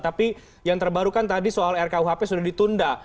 tapi yang terbaru kan tadi soal rkuhp sudah ditunda